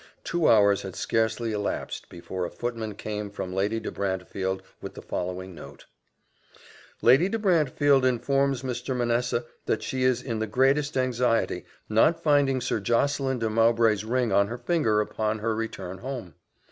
Two hours had scarcely elapsed before a footman came from Lady de Brantefield with the following note: "Lady de Brantefield informs Mr. Manessa that she is in the greatest anxiety not finding Sir Josseline de Mowbray's ring on her finger, upon her return home.